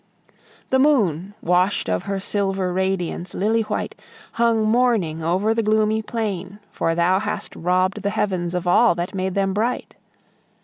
The moon, washed of her silver radiance lily white, Hung mourning over the gloomy plain, for thou hast robbed The heavens of all that made them bright.